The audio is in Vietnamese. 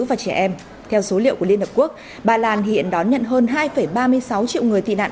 và trẻ em theo số liệu của liên hợp quốc ba lan hiện đón nhận hơn hai ba mươi sáu triệu người tị nạn